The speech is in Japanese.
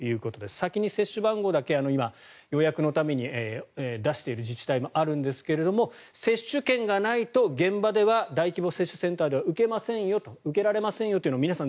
先に接種番号だけ予約のために出している自治体もあるんですが接種券がないと現場では大規模接種センターでは受けられませんよと皆さん